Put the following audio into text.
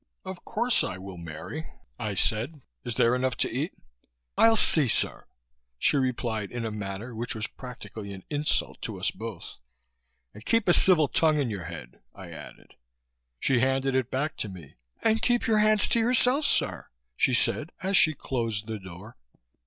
"Of course I will, Mary," I said. "Is there enough to eat?" "I'll see, sir," she replied in a manner which was practically an insult to us both. "And keep a civil tongue in your head," I added. She handed it back to me. "And keep your hands to yourself, sir," she said as she closed the door.